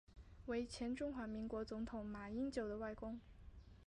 为前中华民国总统马英九的外公。